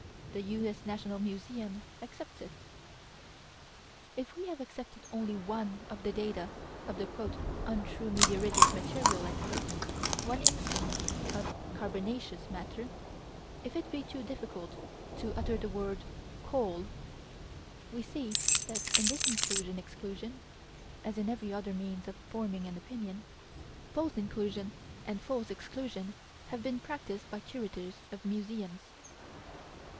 The U.S. National Museum accepts it. If we have accepted only one of the data of "untrue meteoritic material" one instance of "carbonaceous" matter if it be too difficult to utter the word "coal" we see that in this inclusion exclusion, as in every other means of forming an opinion, false inclusion and false exclusion have been practiced by curators of museums.